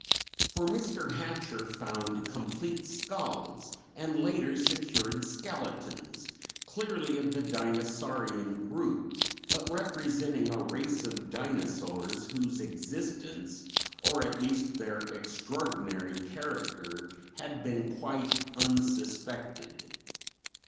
For Mr. Hatcher found complete skulls, and later secured skeletons, clearly of the Dinosaurian group, but representing a race of dinosaurs whose existence, or at least their extraordinary character, had been quite unsuspected.